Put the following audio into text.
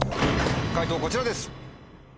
解答こちらです。